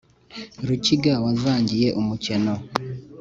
rukiga wazangiye umukeno.